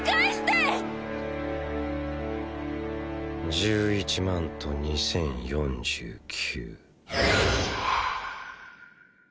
１１万と２千４９。